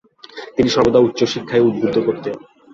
তিনি সর্বদা উচ্চশিক্ষায় উদ্বুদ্ধ করতেন।